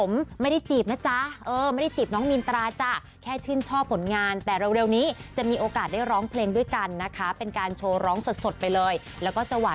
วันหนึ่งตัดช้ำว่าชื่นออกเวลานี้หนูก็ชอบค่ะ